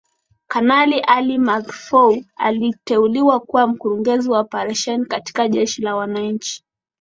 Kanali Ali Mahfoudh aliteuliwa kuwa Mkurugenzi wa Operesheni katika Jeshi la Wananchi